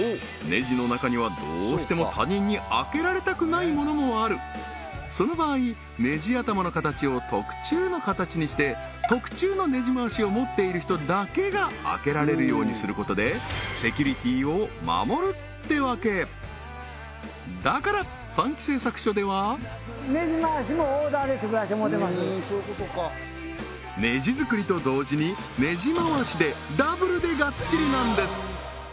ネジの中にはどうしても他人に開けられたくないものもあるその場合ネジ頭の形を特注の形にして特注のネジ回しを持っている人だけが開けられるようにすることでセキュリティーを守るってわけだからネジ作りと同時にネジ回しでダブルでがっちりなんです！